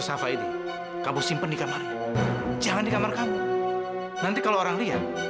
sampai jumpa di video selanjutnya